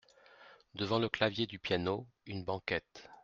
Devant le clavier du piano, une banquette.